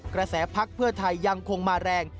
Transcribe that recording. กระแสภาคเพื่อไทยยังคงมาแรง